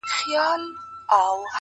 تجرۍ دي که جېبونه صندوقونه.!